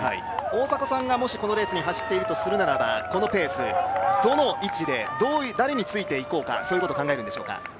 大迫さんがもし、このレース、走っているとするならばどの位置で誰についていこうか、そういうことを考えるんでしょうか？